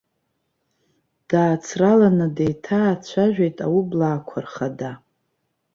Даацраланы деиҭаацәажәеит аублаақәа рхада.